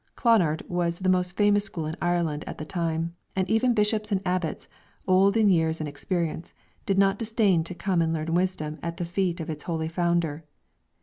Clonard was the most famous school in Ireland at the time, and even bishops and abbots, old in years and experience, did not disdain to come to learn wisdom at the feet of its holy founder.